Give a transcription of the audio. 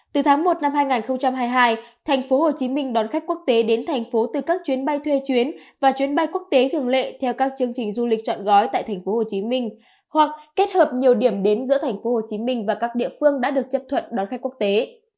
từ tháng một năm hai nghìn hai mươi hai thành phố hồ chí minh đón khách quốc tế đến thành phố từ các chuyến bay thuê chuyến và chuyến bay quốc tế thường lệ theo các chương trình du lịch chọn gói tại thành phố hồ chí minh hoặc kết hợp nhiều điểm đến giữa thành phố hồ chí minh và các địa phương đã được chấp thuận đón khách quốc tế